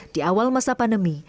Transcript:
di awal masa pandemi